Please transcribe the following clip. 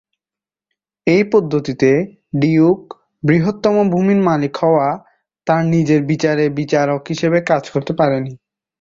এই পদ্ধতিতে, ডিউক, বৃহত্তম ভূমির মালিক হওয়া, তার নিজের বিচারে বিচারক হিসাবে কাজ করতে পারেনি।